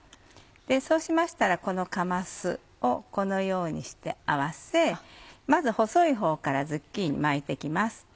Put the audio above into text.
そうしましたらこのかますをこのようにして合わせまず細いほうからズッキーニ巻いて行きます。